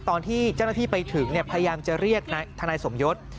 ตอนที่เจ้าหน้าที่ไปถึงพยายามจะเรียกทนายสมยศ